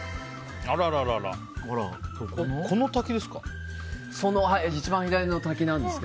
この滝ですか？